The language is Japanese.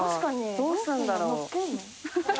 どうすんだろう？